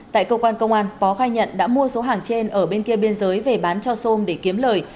tại cơ quan công an bó khai nhận đã mua số hàng trên ở bên kia biên giới về bán cho sôm để kiếm lời